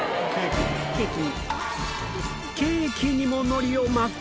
ケーキにも海苔を巻く！？